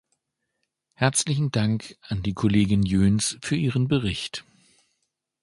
Herzlichen Dank an die Kollegin Jöns für ihren Bericht.